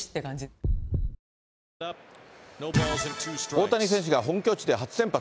大谷選手が本拠地で初先発。